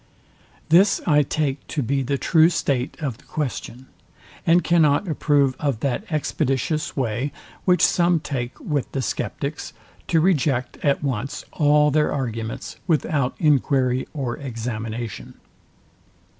This I take to be the true state of the question, and cannot approve of that expeditious way, which some take with the sceptics, to reject at once all their arguments without enquiry or examination.